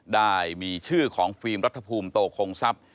ได้มีชื่อของฟิล์มรัฐภูมิโตคงทรัพย์